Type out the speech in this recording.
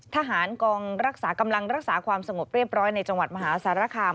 ทหารกองรักษากำลังรักษาความสงบเรียบร้อยในจังหวัดมหาสารคาม